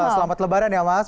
selamat lebaran ya mas